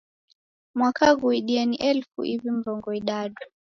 Mwaka ghuidie ni elifu iw'i mrongo idadu.